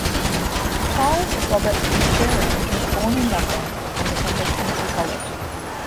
Charles Robert Maturin was born in Dublin and attended Trinity College.